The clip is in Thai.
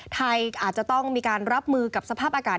ไทยอาจจะต้องมีการรับมือกับสภาพอากาศ